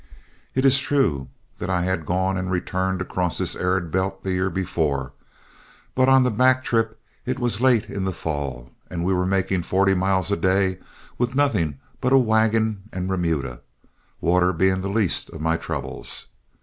It is true that I had gone and returned across this arid belt the year before, but on the back trip it was late in the fall, and we were making forty miles a day with nothing but a wagon and remuda, water being the least of my troubles.